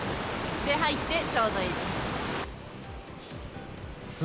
で、入ってちょうどいいです。